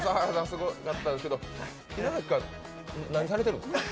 すごかったですけど、いながきさん、何されてるんですか。